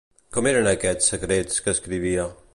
Com eren aquests secrets que escrivia?